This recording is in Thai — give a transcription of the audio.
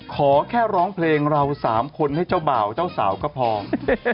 ขอแค่ร้องเพลงเรา๓คนให้เจ้าบ่าวเจ้าสาวก็พอ